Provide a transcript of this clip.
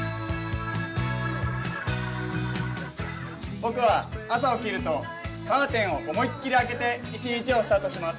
僕は朝起きるとカーテンを思いっきり開けて一日をスタートします。